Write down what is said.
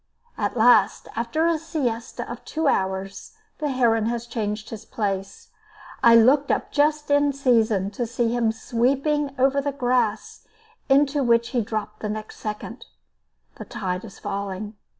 At last, after a siesta of two hours, the heron has changed his place. I looked up just in season to see him sweeping over the grass, into which he dropped the next instant. The tide is falling.